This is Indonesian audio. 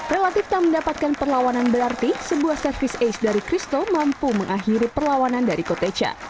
relatif tak mendapatkan perlawanan berarti sebuah service ace dari christo mampu mengakhiri perlawanan dari kotecha